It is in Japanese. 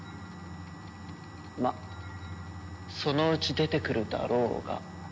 まっそのうち出てくるだろうが。